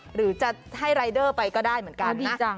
หรือจะให้รายเดอร์ไปก็ได้เหมือนกันนะ